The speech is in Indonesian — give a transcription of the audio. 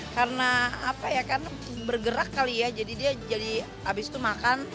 karena apa ya karena bergerak kali ya jadi dia habis itu makan